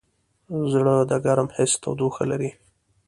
زړه د ګرم حس تودوخه لري.